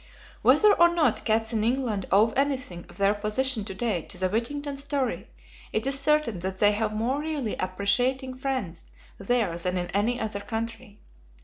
Whether or not cats in England owe anything of their position to day to the Whittington story, it is certain that they have more really appreciating friends there than in any other country.